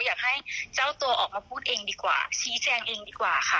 อยากให้เจ้าตัวออกมาพูดเองดีกว่าชี้แจงเองดีกว่าค่ะ